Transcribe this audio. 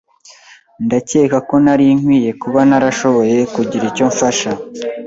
Ndakeka ko nari nkwiye kuba narashoboye kugira icyo mfasha.